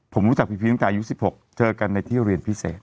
ผมรู้จักพีพีชตั้งแต่อายุ๑๖เจอกันในที่เรียนพิเศษ